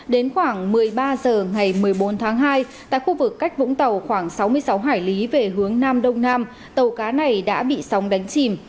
đến khoảng một mươi ba h ngày một mươi bốn tháng hai tại khu vực cách vũng tàu khoảng sáu mươi sáu hải lý về hướng nam đông nam tàu cá này đã bị sóng đánh chìm